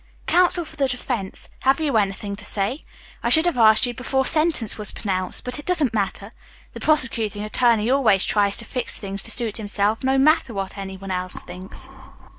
"Counsel for the defense, have you anything to say? I should have asked you before sentence was pronounced, but it doesn't matter. The prosecuting attorney always tries to fix things to suit himself, no matter what any one else thinks."